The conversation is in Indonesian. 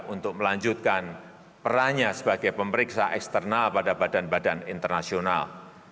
untuk melanjutkan perannya sebagai pemeriksa eksternal pada badan badan internasional